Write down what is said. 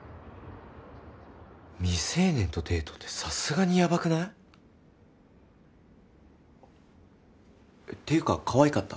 未成年とデートってさすがにやばくない？っていうかかわいかった？